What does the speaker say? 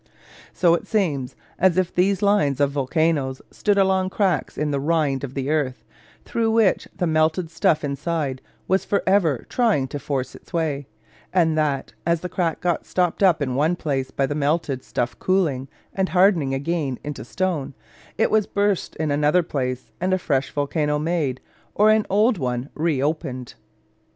So it seems as if these lines of volcanos stood along cracks in the rind of the earth, through which the melted stuff inside was for ever trying to force its way; and that, as the crack got stopped up in one place by the melted stuff cooling and hardening again into stone, it was burst in another place, and a fresh volcano made, or an old one re opened.